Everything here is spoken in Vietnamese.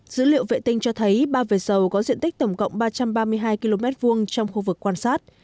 dữ liệu vệ tinh cho thấy ba về dầu có diện tích tổng cộng ba trăm ba mươi hai km hai trong khu vực quan sát